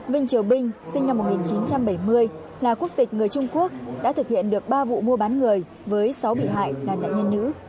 vinh triều binh sinh năm một nghìn chín trăm bảy mươi là quốc tịch người trung quốc đã thực hiện được ba vụ mua bán người với sáu bị hại là nạn nhân nữ